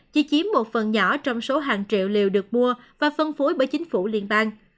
chỉ chiếm một phần nhỏ trong số hàng triệu liều được mua và phân phối bởi chính phủ liên bang